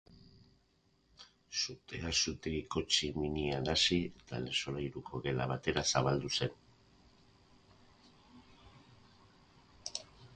Sutea sutegiko tximinian hasi eta lehen solairuko gela batera zabaldu zen.